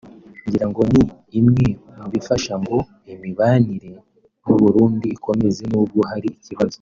ngira ngo ni imwe mu bifasha ngo imibanire n’u Burundi ikomeze nubwo hari ikibazo